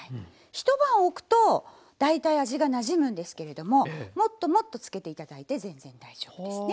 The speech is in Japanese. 一晩おくと大体味がなじむんですけれどももっともっと漬けて頂いて全然大丈夫ですね。